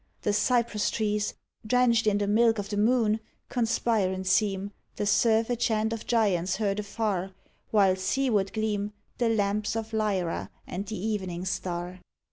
The cypress trees, Drenched in the milk o' the moon, conspirant seem. 72 AN AL'TJR OF tHE IVES'T The surf a chant of giants heard afar, While seaward gleam The lamps of Lyra and the evening star.